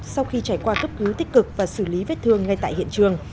sau khi trải qua cấp cứu tích cực và xử lý vết thương ngay tại hiện trường